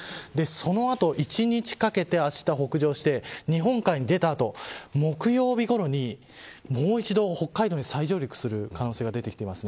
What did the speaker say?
その後１日かけてあした北上して日本海に出た後、木曜日ごろにもう一度北海道に再上陸する可能性が出てきています。